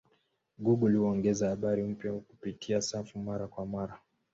Google huongeza habari mpya kupitia safu mara kwa mara.